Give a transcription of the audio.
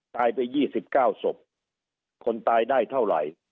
ตายไปยี่สิบเก้าศพคนตายได้เท่าไหร่